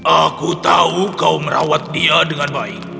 aku tahu kau merawat dia dengan baik